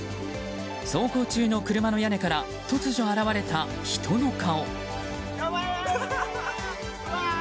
走行中の車の屋根から突如現れた人の顔。